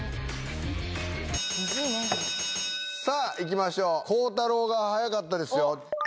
さぁ行きましょう。が早かったですよ。